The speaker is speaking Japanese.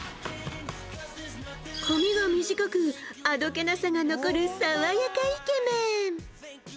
髪が短く、あどけなさが残る爽やかイケメン。